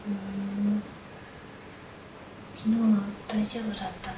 昨日は大丈夫だったの？